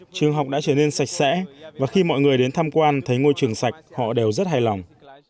trường học đã trở nên sạch sẽ và khi mọi người đến tham quan thấy ngôi trường sạch họ đều rất hài lòng